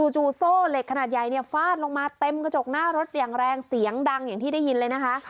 จู่โซ่เหล็กขนาดใหญ่เนี่ยฟาดลงมาเต็มกระจกหน้ารถอย่างแรงเสียงดังอย่างที่ได้ยินเลยนะคะ